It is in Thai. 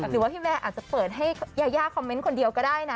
หรือว่าพี่แวร์อาจจะเปิดให้ยายาคอมเมนต์คนเดียวก็ได้นะ